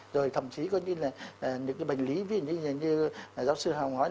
rồi thậm chí có những cái bệnh lý như giáo sư hồng nói